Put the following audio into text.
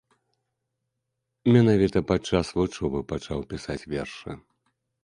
Менавіта пад час вучобы пачаў пісаць вершы.